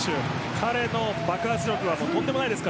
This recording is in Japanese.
彼の爆発力はとんでもないです。